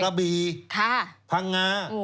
ระบีพังงา